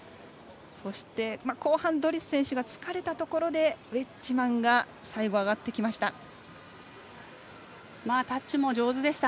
後半ドリス選手が疲れたところで、ウェッジマンが最後、上がってきました。